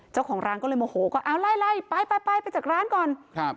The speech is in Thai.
เจ้าของร้านก็เลยโมโหก็เอาไล่ไล่ไปไปจากร้านก่อนครับ